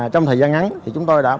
trong thời gian ngắn chúng tôi đã